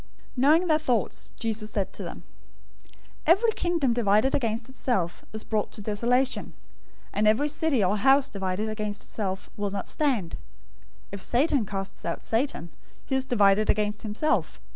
012:025 Knowing their thoughts, Jesus said to them, "Every kingdom divided against itself is brought to desolation, and every city or house divided against itself will not stand. 012:026 If Satan casts out Satan, he is divided against himself.